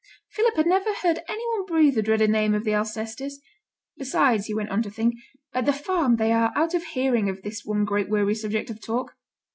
Philip had never heard any one breathe the dreaded name of the Alcestis. Besides, he went on to think, at the farm they are out of hearing of this one great weary subject of talk.